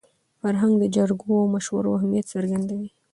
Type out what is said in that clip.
فرهنګ د جرګو او مشورو اهمیت څرګندوي.